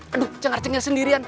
aduh cengar cengar sendirian